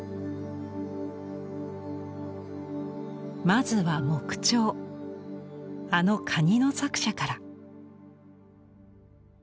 まずは木彫あのカニの作者から。